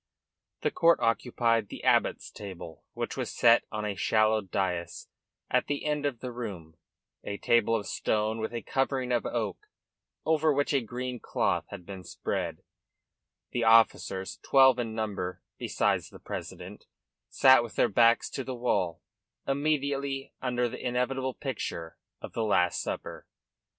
The court occupied the abbot's table, which was set on a shallow dais at the end of the room a table of stone with a covering of oak, over which a green cloth had been spread; the officers twelve in number, besides the president sat with their backs to the wall, immediately under the inevitable picture of the Last Supper.